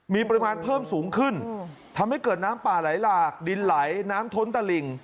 มีปริมาณเพิ่มสูงขึ้นทำให้เกิดน้ำป่าไหลหลากดินไหลน้ำท้นตะหลิ่ง